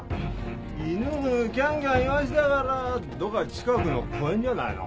犬キャンキャン言わせてたからどっか近くの公園じゃないの。